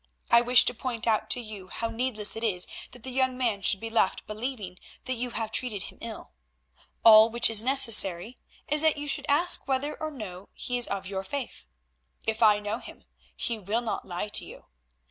I wish to point out to you how needless it is that the young man should be left believing that you have treated him ill. All which is necessary is that you should ask whether or no he is of your faith. If I know him, he will not lie to you.